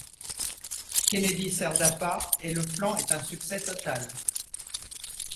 Kennedy sert d'appât et le plan est un succès total.